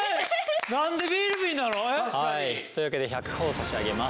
何でビール瓶なの？というわけで１００ほぉ差し上げます。